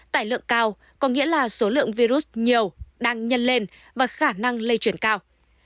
tải lượng cao có nghĩa là số lượng virus nhiều đang nhân lên và khả năng lây truyền cao